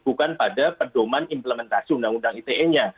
bukan pada pedoman implementasi undang undang ite nya